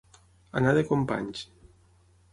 Anar de companys.